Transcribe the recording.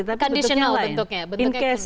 tapi bentuknya lain